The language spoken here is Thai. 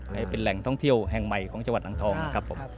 ให้เป็นแหล่งท่องเที่ยวแห่งใหม่ของจังหวัดอ่างทองครับผม